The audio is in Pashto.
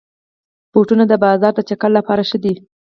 بوټونه د بازار د چکر لپاره ښه دي.